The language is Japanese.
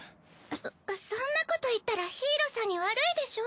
そそんなこと言ったらヒイロさんに悪いでしょ？